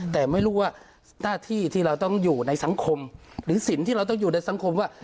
แต่ไม่รู้ว่าหน้าที่ที่เราต้องอยู่ในสังคมหรือสินที่เราต้องอยู่ในสังคมว่า